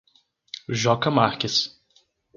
Joca Marques